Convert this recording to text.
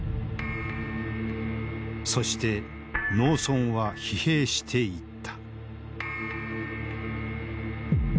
そして農村は疲弊していった。